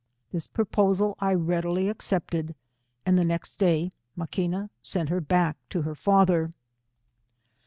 This proposal I readily accepted, and the next day Maquiua sent her back to her father.